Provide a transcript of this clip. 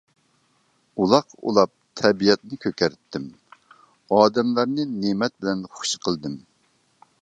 ئۇلاق ئۇلاپ تەبىئەتنى كۆكەرتتىم. ئادەملەرنى نىمەت بىلەن خۇش قىلدىم.